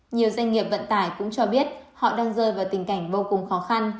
nhiều doanh nghiệp vận tải cũng cho biết họ đang rơi vào tình cảnh vô cùng khó khăn